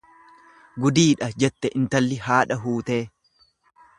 Gudiidha jette intalli haadha huutee.